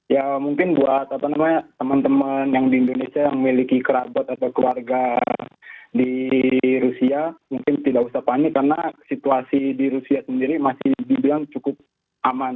ya mungkin buat apa namanya teman teman yang di indonesia yang memiliki kerabat atau keluarga di rusia mungkin tidak usah panik karena situasi di rusia sendiri masih dibilang cukup aman